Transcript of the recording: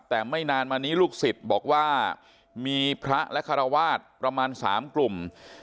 แต่ไม่นานมานี้ลูกศิษย์บอกว่ามีพระและคารวาสประมาณ๓กลุ่ม